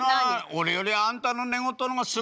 俺よりあんたの寝言の方がすごいよ。